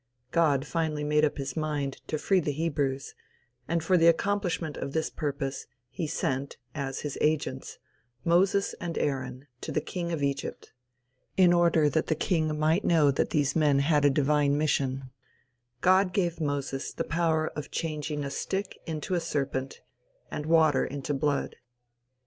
God finally made up his mind to free the Hebrews; and for the accomplishment of this purpose he sent, as his agents, Moses and Aaron, to the king of Egypt. In order that the king might know that these men had a divine mission, God gave Moses the power of changing a stick into a serpent, and water into blood.